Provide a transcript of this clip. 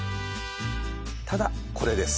ただこれです